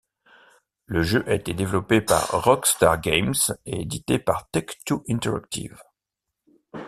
Le jeu a été développé par Rockstar Games et édité par Take-Two Interactive.